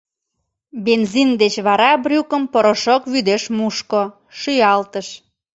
Бензин деч вара брюкым порошок вӱдеш мушко, шӱялтыш.